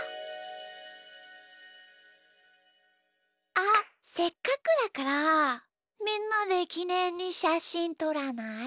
あっせっかくだからみんなできねんにしゃしんとらない？